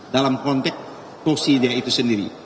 dalam konteks fokusi dia itu sendiri